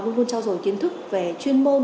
luôn luôn trao dồi kiến thức về chuyên môn